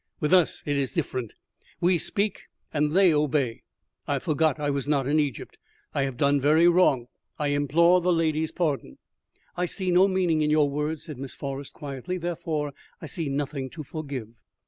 With us it is different. We speak and they obey. I forgot I was not in Egypt. I have done very wrong. I implore the lady's pardon." "I see no meaning in your words," said Miss Forrest, quietly, "therefore I see nothing to forgive."